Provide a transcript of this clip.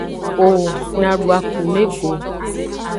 O na du akume go.